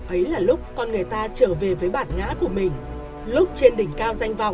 ấy là lúc con người ta trở về với bản ngã của mình lúc trên đỉnh cao danh vọng